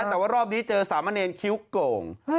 แต่ว่ารอบนี้เจอสามเณรคิ้วโก่ง